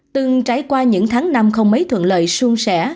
từng trải qua những tháng năm không mấy thuận lợi xuân sẻ